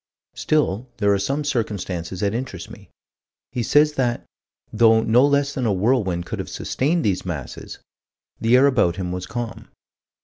Still there are some circumstances that interest me. He says that, though no less than a whirlwind could have sustained these masses, the air about him was calm.